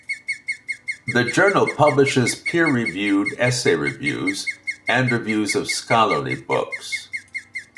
The journal publishes peer-reviewed essay reviews and reviews of scholarly books.